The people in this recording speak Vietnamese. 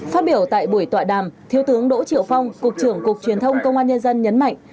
phát biểu tại buổi tọa đàm thiếu tướng đỗ triệu phong cục trưởng cục truyền thông công an nhân dân nhấn mạnh